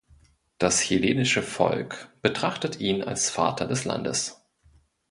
Das chilenische Volk betrachtet ihn als „Vater des Landes“.